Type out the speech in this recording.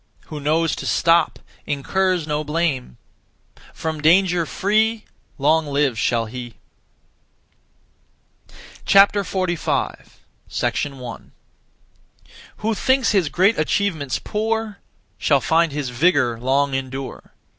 Who knows to stop Incurs no blame. From danger free Long live shall he. 45. 1. Who thinks his great achievements poor Shall find his vigour long endure.